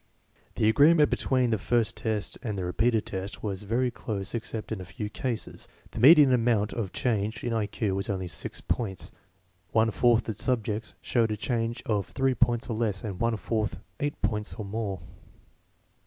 The agreement between the first test and the repeated test was very dose AMONG KINDERGAETEN CHILDREN 37 except in a few cases. The median amount of change in I Q was only six points. One fourth of the subjects showed a change of three points or less, and one fourth eight points or more.